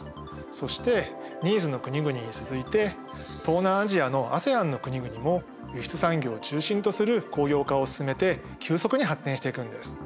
そしてＮＩＥＳの国々に続いて東南アジアのＡＳＥＡＮの国々も輸出産業を中心とする工業化を進めて急速に発展していくんです。